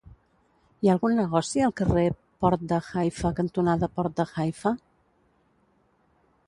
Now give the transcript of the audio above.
Hi ha algun negoci al carrer Port de Haifa cantonada Port de Haifa?